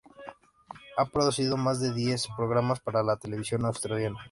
Ha producido más de diez programas para la televisión australiana.